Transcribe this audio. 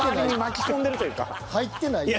入ってないよ。